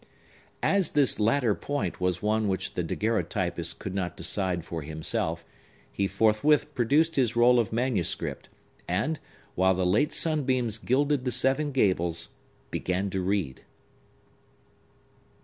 As this latter point was one which the daguerreotypist could not decide for himself, he forthwith produced his roll of manuscript, and, while the late sunbeams gilded the seven gables, began to read.